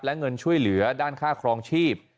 และเงินช่วยเหลือด้านค่าครองชีพ